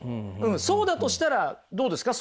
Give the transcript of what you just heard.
そうだとしたらどうですか？